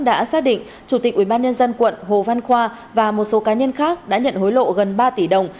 đã xác định chủ tịch ubnd quận hồ văn khoa và một số cá nhân khác đã nhận hối lộ gần ba tỷ đồng